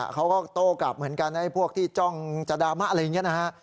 เขาก็โต้กลับเหมือนกันพวกที่จ้องจะดรามะอะไรอย่างนี้นะฮะ